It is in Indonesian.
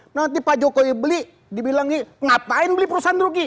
nanti pak jokowi beli dibilang nih ngapain beli perusahaan rugi